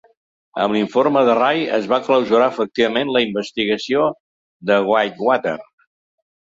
Amb l'informe de Ray es va clausurar efectivament la investigació de Whitewater.